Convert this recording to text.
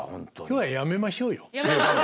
今日はやめましょうよ。